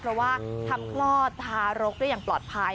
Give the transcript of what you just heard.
เพราะว่าทำคลอดทารกได้อย่างปลอดภัย